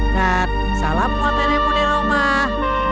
dan salam buat adekmu di rumah